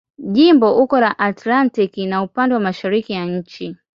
Jimbo uko la Atlantiki na upande wa mashariki ya nchi.